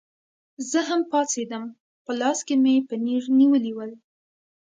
زه هم پاڅېدم، په لاس کې مې پنیر نیولي ول.